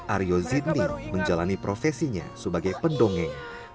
aryo zidney menjalani profesinya sebagai pendongeng